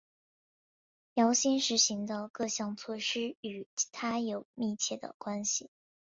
姚兴实行的各项措施与他有密切的关系。